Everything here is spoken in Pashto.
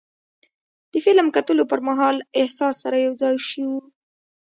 د فلم کتلو پر مهال له احساس سره یو ځای شو.